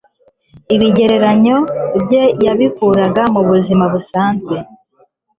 Ibigereranyo bye yabikuraga mu buzima busanzwe.